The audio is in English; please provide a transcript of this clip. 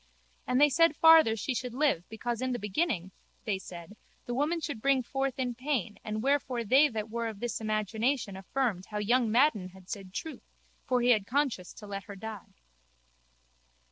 And they said farther she should live because in the beginning, they said, the woman should bring forth in pain and wherefore they that were of this imagination affirmed how young Madden had said truth for he had conscience to let her die.